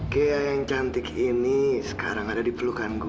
ghea yang cantik ini sekarang ada di pelukan gue